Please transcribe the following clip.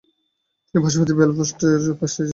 তিনি পার্শ্ববর্তী বেলফাস্টের ব্যবসায়ী ছিলেন।